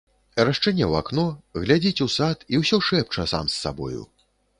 Расчыніў акно, глядзіць у сад і ўсё шэпча сам з сабою.